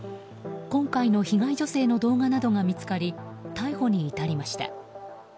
今回の被害女性の動画などが見つかり逮捕に至りました。